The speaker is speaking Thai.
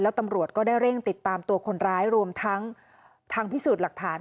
ตำรวจก็ได้เร่งติดตามตัวคนร้ายรวมทั้งทางพิสูจน์หลักฐาน